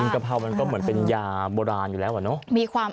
กะเพรามันก็เหมือนเป็นยาโบราณอยู่แล้วอะเนาะ